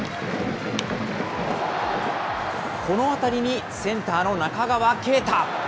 この当たりにセンターの中川圭太。